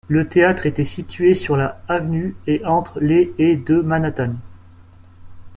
Le théâtre était situé sur la Avenue et entre les et de Manhattan.